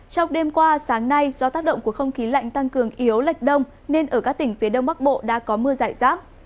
trong đêm qua sáng nay do tác động của không khí lạnh tăng cường yếu lệch đông nên ở các tỉnh phía đông bắc bộ đã có mưa giải rác